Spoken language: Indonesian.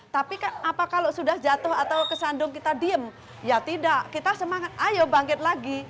tapi kan apa kalau sudah jatuh atau kesandung kita diem ya tidak kita semangat ayo bangkit lagi